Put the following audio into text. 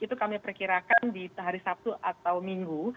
itu kami perkirakan di hari sabtu atau minggu